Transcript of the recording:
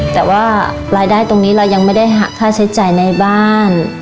แต่ว่ารายได้ตรงนี้เรายังไม่ได้หักค่าใช้จ่ายในบ้าน